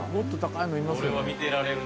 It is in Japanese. これは見てられるね。